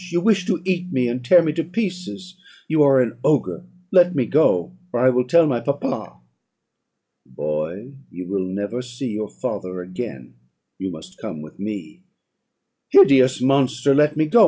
you wish to eat me, and tear me to pieces You are an ogre Let me go, or I will tell my papa.' "'Boy, you will never see your father again; you must come with me.' "'Hideous monster! let me go.